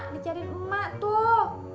dicarin emak tuh